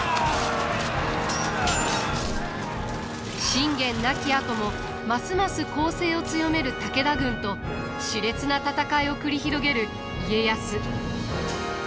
信玄亡きあともますます攻勢を強める武田軍としれつな戦いを繰り広げる家康。